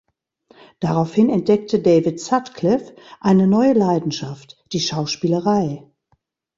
Daraufhin entdeckte David Sutcliffe eine neue Leidenschaft: die Schauspielerei.